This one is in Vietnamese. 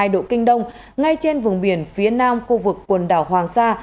một mươi hai hai độ kinh đông ngay trên vùng biển phía nam khu vực quần đảo hoàng sa